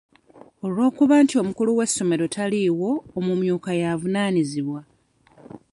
Olw'okuba nti omukulu w'essomero taliiwo, omumyuka y'avunaanyizibwa.